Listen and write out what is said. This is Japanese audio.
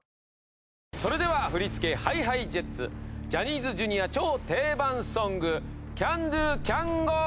それでは振り付けＨｉＨｉＪｅｔｓジャニーズＪｒ．超定番ソング『Ｃａｎｄｏ！Ｃａｎｇｏ！』